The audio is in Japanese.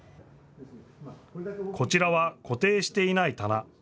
こちらは固定していない棚。